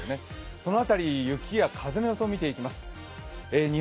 その辺り、雪や風の予想を見ていきます。